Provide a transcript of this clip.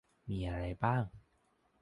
มีอะไรบ้าง